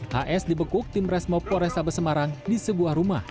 hs dibekuk tim resmo poresa besemarang di sebuah rumah